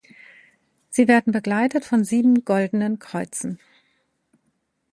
Sie werden begleitet von sieben goldenen Kreuzen.